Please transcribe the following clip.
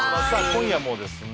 今夜もですね